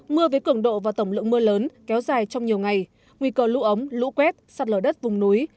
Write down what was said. mưa với cường độ và tổng lượng mưa lớn kéo dài trong nhiều ngày nguy cơ lũ ống lũ quét sạt lở đất vùng núi